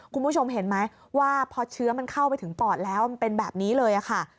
คุณผู้ชมเห็นไหมว่าพอเชื้อมันเข้าไปถึงปอดแล้วมันเป็นแบบนี้เลยค่ะ